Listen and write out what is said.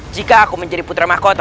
jika aku menjadi putra mahkota